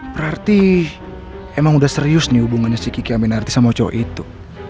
berarti emang udah serius nih hubungannya si kiki amin arti sama cowok itu